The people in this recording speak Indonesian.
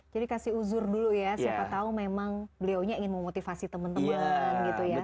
jadi kasih uzur dulu ya siapa tahu memang beliaunya ingin memotivasi teman teman gitu ya